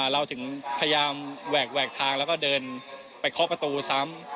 เราถึงพยายามแหวกทางแล้วก็เดินไปเคาะประตูซ้ำ